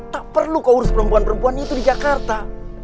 tak perlu kau urus perempuan perempuannya itu di jakarta